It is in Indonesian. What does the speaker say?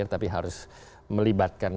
tapi harus melibatkan